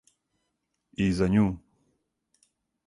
И за њу.